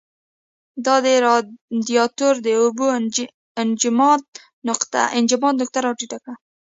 دا د رادیاتور د اوبو انجماد نقطه را ټیټه کړي.